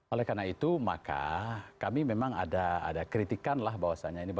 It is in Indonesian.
oleh karena itu maka kami memang ada kritikan bahwasannya